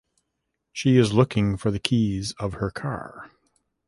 She is looking for the keys of her car.